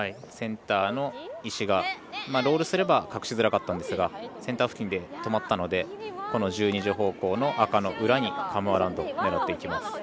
センターの石がロールすれば隠しづらかったんですがセンター付近で止まったのでこの１２時方向の赤の裏にカム・アラウンド狙っていきます。